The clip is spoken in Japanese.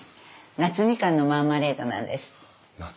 夏みかんのマーマレードなんです。